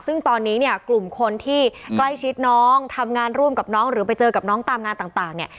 ซึ่งตอนนี้เนี่ยกลุ่มคนที่ใกล้ชิดน้องทำงานร่วมกับน้องหรือไปเจอกับน้องตามงานต่างเนี่ย